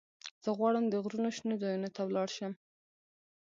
زه غواړم د غرونو شنو ځايونو ته ولاړ شم.